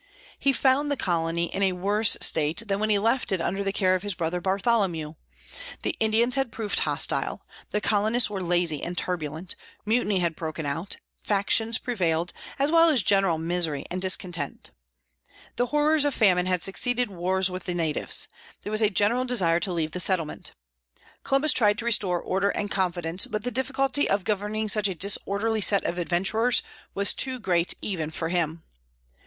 He found the colony in a worse state than when he left it under the care of his brother Bartholomew. The Indians had proved hostile; the colonists were lazy and turbulent; mutiny had broken out; factions prevailed, as well as general misery and discontent. The horrors of famine had succeeded wars with the natives. There was a general desire to leave the settlement. Columbus tried to restore order and confidence; but the difficulty of governing such a disorderly set of adventurers was too great even for him.